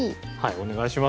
お願いします